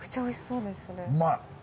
うまい。